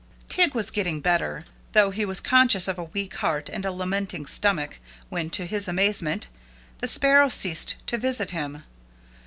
Tig was getting better, though he was conscious of a weak heart and a lamenting stomach, when, to his amazement, the Sparrow ceased to visit him.